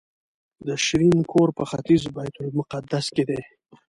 د شیرین کور په ختیځ بیت المقدس کې دی.